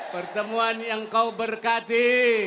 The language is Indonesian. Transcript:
pertemuan yang kau berkati